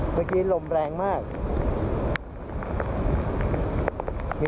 โอ้โฮที่พุยาโอ้โฮ